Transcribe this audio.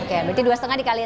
oke berarti dua lima dikali ya